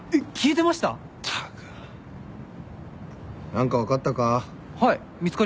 何か分かったか？